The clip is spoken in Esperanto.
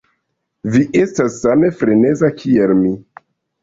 Vi estas same freneza, kiel mi.